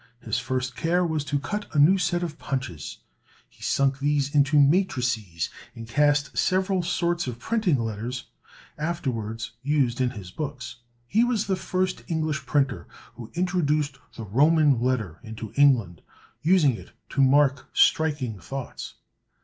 His first care was to cut a new set of punches; he sunk these into matrices, and cast several sorts of printing letters, afterwards used in his books. He was the first English printer who introduced the Roman letter into England, using it to mark striking thoughts.